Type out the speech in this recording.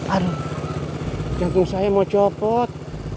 aduh jagung saya mau copot